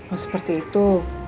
oh seperti itu